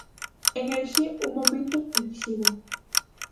En Elxe un momento decisivo.